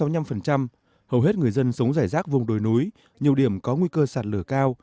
hầu hết người dân sống rải rác vùng đồi núi nhiều điểm có nguy cơ sạt lửa cao